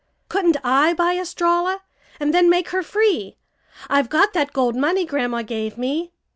"Couldn't I buy Estralla and then make her free? I've got that gold money Grandma gave me."